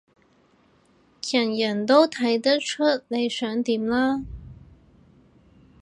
人人都睇得出你想點啦